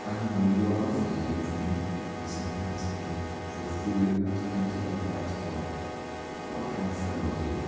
"I know you are offended with me," he said penitently, "for fooling that painted up wax doll; but what can a fellow do?"